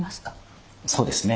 そうですね